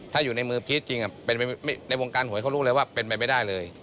ถ้าอยู่ในมือพีชจริงในวงการหวยเขารู้เลยว่าเป็นไปไม่ได้เลย